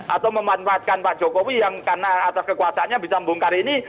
atau memanfaatkan pak jokowi yang karena atas kekuasaannya bisa membongkar ini